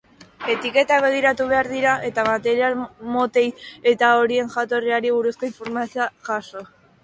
Etiketak begiratu behar dira eta material motei eta horien jatorriari buruzko informazioa jaso.